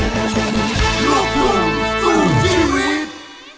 คุณพ่อพุทธร้อย